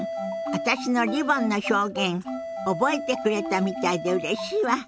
私のリボンの表現覚えてくれたみたいでうれしいわ。